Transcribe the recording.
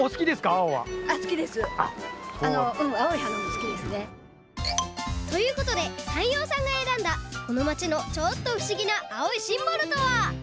青は。ということで山陽さんがえらんだこのまちのちょっとふしぎな青いシンボルとは？